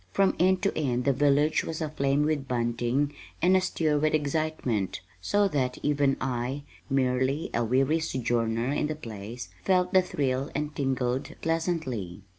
From end to end the village was aflame with bunting and astir with excitement, so that even I, merely a weary sojourner in the place, felt the thrill and tingled pleasantly.